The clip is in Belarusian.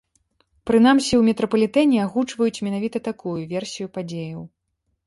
Прынамсі, у метрапалітэне агучваюць менавіта такую версію падзеяў.